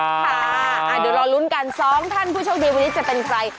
เดี๋ยวรอลุ้นกันสองท่านผู้โชคดีวันนี้จะเป็นใคร